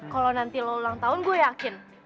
kalau nanti lo ulang tahun gue yakin